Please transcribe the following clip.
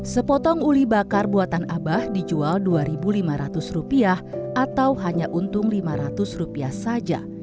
sepotong uli bakar buatan abah dijual rp dua lima ratus atau hanya untung lima ratus saja